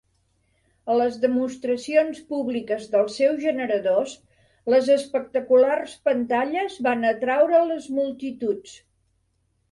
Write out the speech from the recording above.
A les demostracions públiques dels seus generadors, les espectaculars pantalles van atraure les multituds.